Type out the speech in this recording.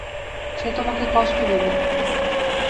সে তোমাকে কষ্ট দেবে!